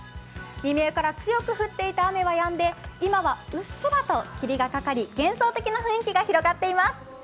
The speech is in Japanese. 未明から強く降っていた雨はやんで今はうっすらと霧がかかり幻想的な雰囲気が広がっています。